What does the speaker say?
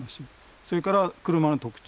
それから車の特徴。